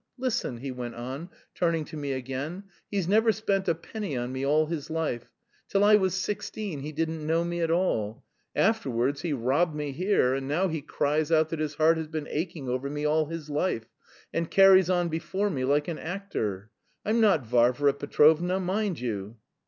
Listen," he went on, turning to me again, "he's never spent a penny on me all his life; till I was sixteen he didn't know me at all; afterwards he robbed me here, and now he cries out that his heart has been aching over me all his life, and carries on before me like an actor. I'm not Varvara Petrovna, mind you."